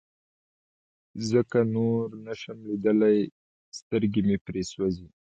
ځکه نور نشم ليدلى سترګې مې پرې سوزي.